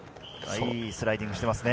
いいスライディングしてますね。